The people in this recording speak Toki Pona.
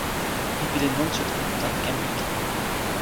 mi pilin monsuta tan ken ike.